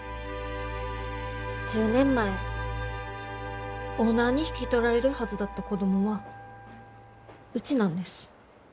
１０年前オーナーに引き取られるはずだった子供はうちなんです。